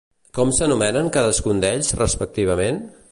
Com s'anomenen cadascun d'ells respectivament?